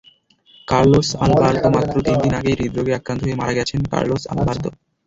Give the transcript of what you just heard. Carlos আলবার্তোমাত্র তিন দিন আগেই হৃদ্রোগে আক্রান্ত হয়ে মারা গেছেন কার্লোস আলবার্তো।